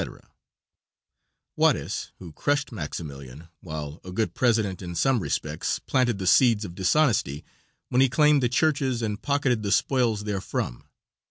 Juarez, who crushed Maximilian, while a good president in some respects, planted the seeds of dishonesty when he claimed the churches and pocketed the spoils therefrom.